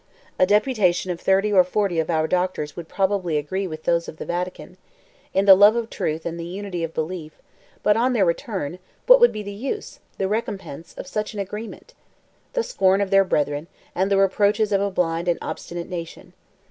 A deputation of thirty or forty of our doctors would probably agree with those of the Vatican, in the love of truth and the unity of belief; but on their return, what would be the use, the recompense, of such an agreement? the scorn of their brethren, and the reproaches of a blind and obstinate nation.